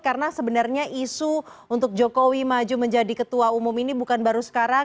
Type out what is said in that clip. karena sebenarnya isu untuk jokowi maju menjadi ketua umum ini bukan baru sekarang